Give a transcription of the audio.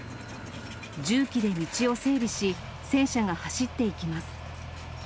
重機で道を整備し、戦車が走っていきます。